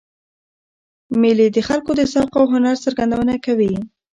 مېلې د خلکو د ذوق او هنر څرګندونه کوي.